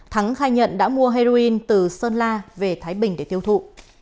thắng khai nhận đã mua heroin từ sơn la về thái bình để tiêu thụ